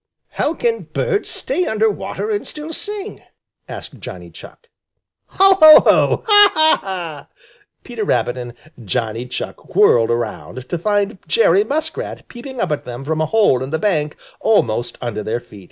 "How can birds stay under water and still sing?" asked Johnny Chuck. "Ho, ho, ho! Ha, ha, ha!" Peter Rabbit and Johnny Chuck whirled around, to find Jerry Muskrat peeping up at them from a hole in the bank almost under their feet.